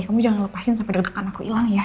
kamu jangan lepasin sampai deg degan aku ilang ya